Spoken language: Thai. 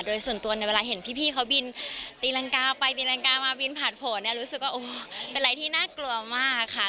โดยส่วนตัวเนี่ยเวลาเห็นพี่เขาบินตีรังกาไปตีรังกามาบินผ่านโผล่เนี่ยรู้สึกว่าเป็นอะไรที่น่ากลัวมากค่ะ